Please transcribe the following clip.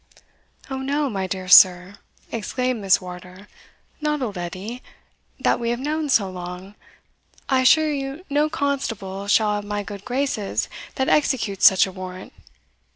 "O no, my dear sir," exclaimed Miss Wardour, "not old Edie, that we have known so long; I assure you no constable shall have my good graces that executes such a warrant."